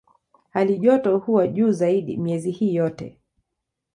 Halijoto huwa juu zaidi miezi hii yote.